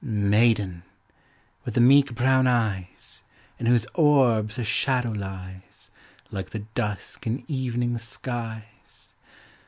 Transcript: Maiden! with the meek brown eyes. In whose orbs a shadow lies Like the dusk in evening skies!